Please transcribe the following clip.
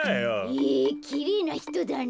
へえきれいなひとだね。